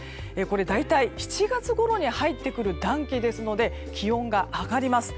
大体７月ごろに入ってくる暖気ですので気温が上がります。